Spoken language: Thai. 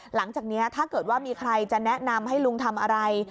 หลังจากนี้ถ้าเกิดว่ามีใครจะแนะนำให้ลุงทำอะไร